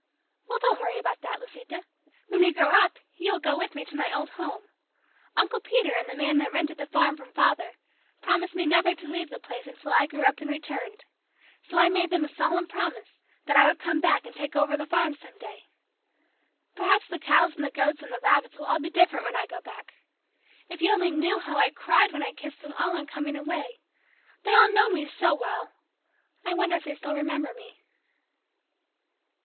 "Well, don't worry about that, Lisita. When we grow up, you will go with me to my old home. Uncle Peter and the man that rented the farm from father, promised me never to leave the place until I grew up and returned. So I made them a solemn promise that I would come back and take over the farm some day. Perhaps the cows and the goats and the rabbits will all be different when I go back. If you only knew how I cried when I kissed them all on coming away. They all know me so well. I wonder if they still remember me."